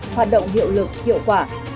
hoạt động hiệu lực hiệu quả